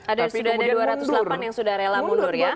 ada dua ratus delapan yang sudah rela mundur ya